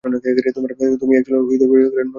Johnny, একচুলও নড়তে পারছি না।